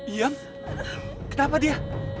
iyam kenapa dia